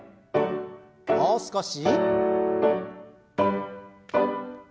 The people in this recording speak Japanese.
もう少し。